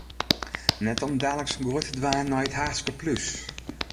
Net om daliks in goai te dwaan nei it Haachske plús.